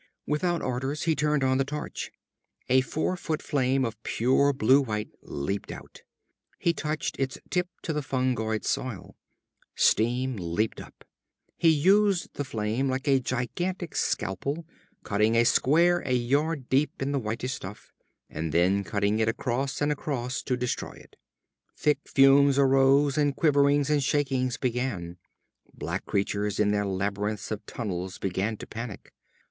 Without orders, he turned on the torch. A four foot flame of pure blue white leaped out. He touched its tip to the fungoid soil. Steam leaped up. He used the flame like a gigantic scalpel, cutting a square a yard deep in the whitish stuff, and then cutting it across and across to destroy it. Thick fumes arose, and quiverings and shakings began. Black creatures in their labyrinths of tunnels began to panic.